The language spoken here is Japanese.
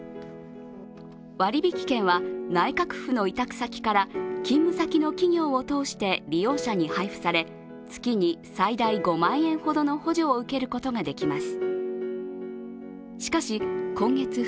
割引券は内閣府の委託先から、勤務先の企業を通して利用者に配布され、月に最大５万円ほどの補助を受けることができます。